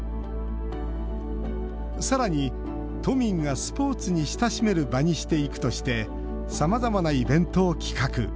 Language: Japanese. さらに「都民がスポーツに親しめる場にしていく」としてさまざまなイベントを企画。